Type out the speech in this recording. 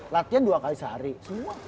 latihan dua kali sehari semua